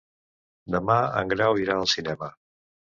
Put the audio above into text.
Demà en Grau irà al cinema.